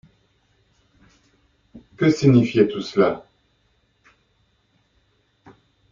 Que signifiait tout cela?